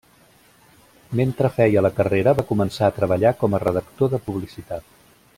Mentre feia la carrera va començar a treballar com a redactor de publicitat.